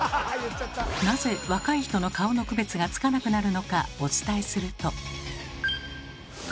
なぜ若い人の顔の区別がつかなくなるのかお伝えすると。